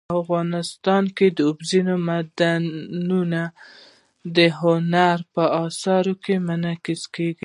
افغانستان کې اوبزین معدنونه د هنر په اثار کې منعکس کېږي.